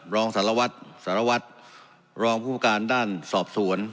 รองสารวัตรสารวัตรรองผู้ประการด้านสอบสวน